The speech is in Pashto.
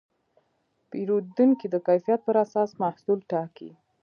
پیرودونکي د کیفیت پر اساس محصول ټاکي.